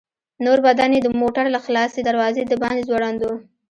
نور بدن يې د موټر له خلاصې دروازې د باندې ځوړند و.